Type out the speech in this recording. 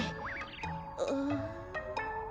ああ。